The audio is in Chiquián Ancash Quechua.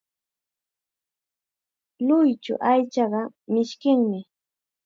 Lluychu aychata mishkinmi.